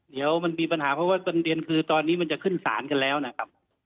เดี๋ยวมันมีปัญหาเพราะว่าประเด็นคือตอนนี้มันจะขึ้นศาลกันแล้วนะครับ